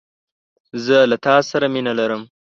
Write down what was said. زه له تاسره مینه لرم